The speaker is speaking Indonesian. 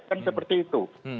kan seperti itu